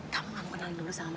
kamu kenalin dulu sama mama